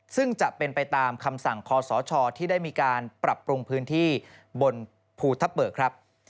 ซึ่งจะเป็นไปตามคำสั่งคอสชที่ได้มีการปรับปรุงพื้นที่บนภูทับเบิกครับ